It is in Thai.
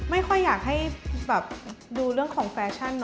ไม่ค่อยอยากให้แบบดูเรื่องของแฟชั่น